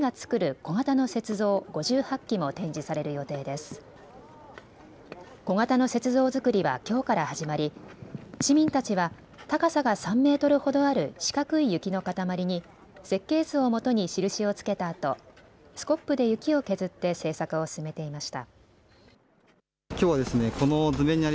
小型の雪像づくりはきょうから始まり市民たちは高さが３メートルほどある四角い雪の塊に設計図をもとに印をつけたあとスコップで雪を削って制作を進めていました。